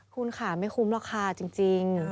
คุณค่ะไม่คุ้มหรอกค่ะจริง